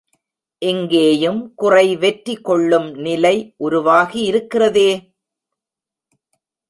இங்கேயும் குறை வெற்றி கொள்ளும் நிலை உருவாகியிருக்கிறதே?